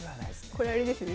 これあれですね